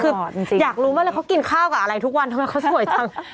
คืออยากรู้มากเลยเขากินข้าวกับอะไรทุกวันทำไมเขาสวยจัง